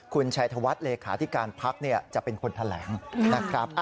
คุณชัยธวัฒน์เลขาธิการพักจะเป็นคนแถลงนะครับ